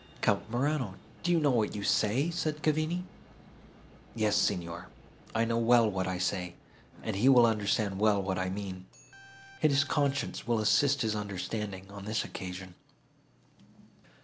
"Count Morano! do you know what you say?" said Cavigni. "Yes, Signor, I know well what I say, and he will understand well what I mean. His conscience will assist his understanding, on this occasion."